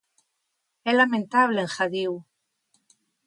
"É lamentable", engadiu.